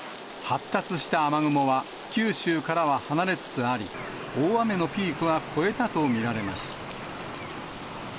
発達した雨雲は、九州からは離れつつあり、大雨のピークは越えたと見られます。